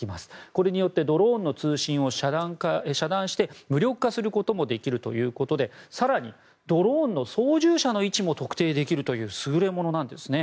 これによってドローンの通信を遮断して武力化することもできるということで更に、ドローンの操縦者の位置も特定できるという優れものなんですね。